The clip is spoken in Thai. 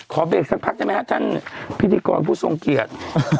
ขอเบรกสักพักใช่ไหมครับท่านพิธีกรผู้ทรงเกียรติ